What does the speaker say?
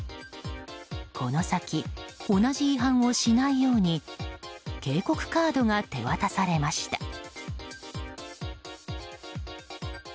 この先、同じ違反をしないように警告カードが手渡されました。